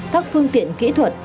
các phương tiện kỹ thuật